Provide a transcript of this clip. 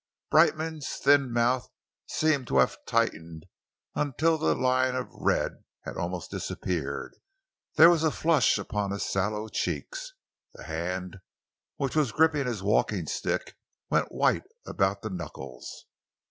Brightman's thin mouth seemed to have tightened until the line of red had almost disappeared. There was a flush upon his sallow cheeks. The hand which was gripping his walking stick went white about the knickles.